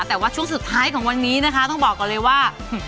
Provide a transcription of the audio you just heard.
แต่ว่าช่วงสุดท้ายของวันนี้นะคะต้องบอกก่อนเลยว่า